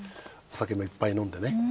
お酒もいっぱい飲んでね。